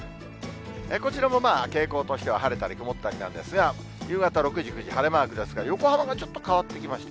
こちらもまあ、傾向としては晴れたり曇ったりなんですが、夕方６時、９時、晴れマークですが、横浜がちょっと変わってきました。